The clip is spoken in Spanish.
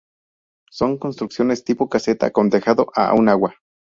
Son construcciones, tipo caseta, con tejado a un agua.